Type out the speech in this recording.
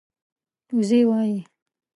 وزۍ وايي